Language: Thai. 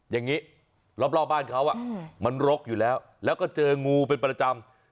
อย่างนี้รอบบ้านเขามันรกอยู่แล้วแล้วก็เจองูเป็นประจำ